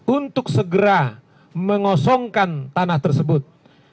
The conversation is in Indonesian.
untuk segera mengosongkan tanah tersebut